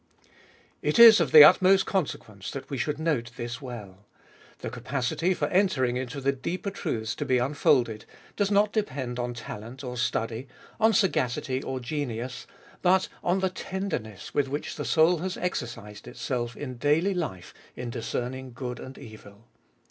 It is of the utmost consequence that we should note this well. The capacity for entering into the deeper truths to be unfolded does not depend on talent or study, on sagacity or genius, but on the tenderness with which the soul has exercised itself in daily life in discerning good and evil.